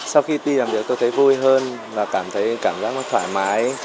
sau khi đi làm việc tôi thấy vui hơn và cảm thấy cảm giác thoải mái